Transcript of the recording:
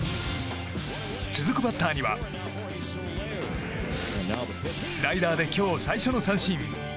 続くバッターにはスライダーで今日最初の三振。